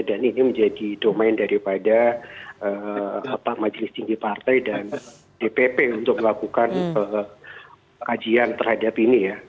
dan ini menjadi domain daripada majelis tinggi partai dan dpp untuk melakukan kajian terhadap ini ya